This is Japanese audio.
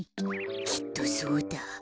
きっとそうだ。